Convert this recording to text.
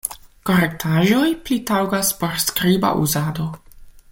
Korektaĵoj pli taŭgas por skriba uzado.